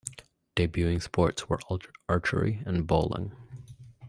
Debuting sports were archery and bowling.